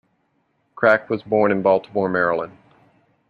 Krack was born in Baltimore, Maryland.